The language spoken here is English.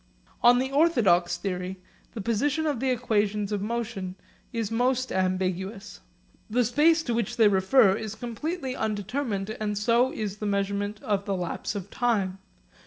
On the orthodox theory the position of the equations of motion is most ambiguous. The space to which they refer is completely undetermined and so is the measurement of the lapse of time.